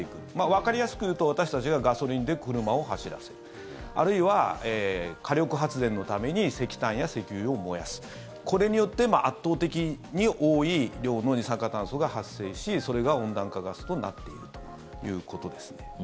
わかりやすく言うと私たちがガソリンで車を走らせるあるいは、火力発電のために石炭や石油を燃やすこれによって圧倒的に多い量の二酸化炭素が発生しそれが温暖化ガスとなっているということですね。